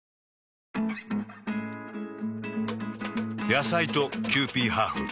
野菜とキユーピーハーフ。